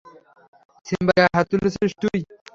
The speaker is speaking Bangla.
সিম্বার গায়ে হাত তুলেছিস তুই।